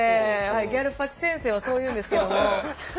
ギャル八先生はそう言うんですけども。